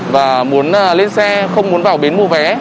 và muốn lên xe không muốn vào bến mua vé